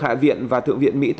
hạ viện và thượng viện mỹ thông báo